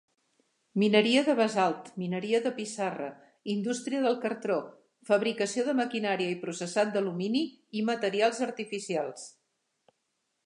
Mineria de basalt, mineria de pissarra, indústria del cartró, fabricació de maquinària i processat d'alumini i materials artificials.